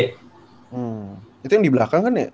hmm itu yang di belakang kan ya